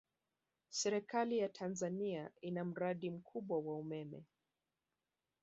Serikali ya Tanzania ina mradi mkubwa wa umeme